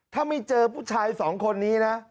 ถ้าไม่เจอผู้ชายสองคนนี้นะ